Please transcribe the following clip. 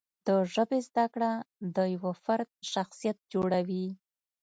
د ژبې زده کړه د یوه فرد شخصیت جوړوي.